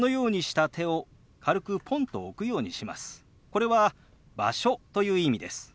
これは「場所」という意味です。